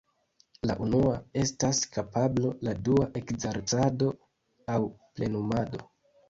La unua estas kapablo, la dua ekzercado aŭ plenumado.